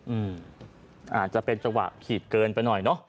อาจจะเป็นจังหวะขีดเกินไปหน่อยเนอะ